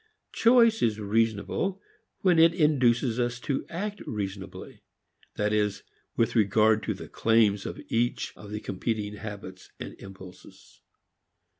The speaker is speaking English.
Choice is reasonable when it induces us to act reasonably; that is, with regard to the claims of each of the competing habits and impulses.